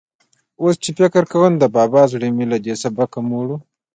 اوس چې فکر کوم، د بابا زړه مې له دې سبقه موړ و.